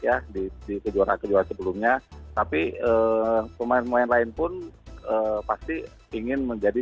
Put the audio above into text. ya di kejuaraan kejuaraan sebelumnya tapi pemain pemain lain pun pasti ingin menjadi